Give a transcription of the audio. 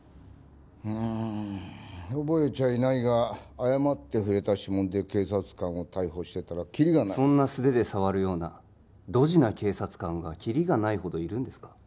うーん覚えちゃいないが誤って触れた指紋で警察官を逮捕してたらキリがないそんな素手で触るようなドジな警察官がキリがないほどいるんですか？